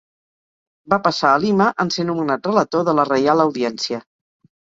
Va passar a Lima en ser nomenat Relator de la Reial Audiència.